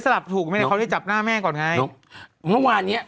สลับถูกไหมเนี่ยเขาได้จับหน้าแม่ก่อนไงโน่ม่อวานเนี้ย